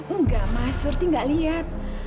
enggak mas surti nggak lihat